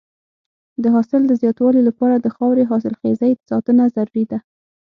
د حاصل د زیاتوالي لپاره د خاورې حاصلخېزۍ ساتنه ضروري ده.